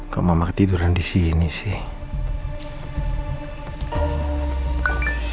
kok mama ketiduran disini sih